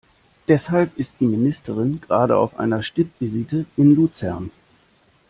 Deshalb ist die Ministerin gerade auf einer Stippvisite in Luzern.